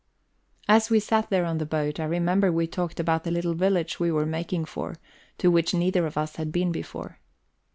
As we sat there on the boat, I remember we talked about the little village we were making for, to which neither of us had been before.